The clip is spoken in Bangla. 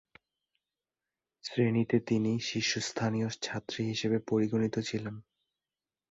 শ্রেণীতে তিনি শীর্ষস্থানীয় ছাত্রী হিসেবে পরিগণিত ছিলেন।